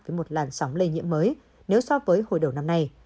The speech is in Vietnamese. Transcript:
với một làn sóng lây nhiễm mới nếu so với hồi đầu năm nay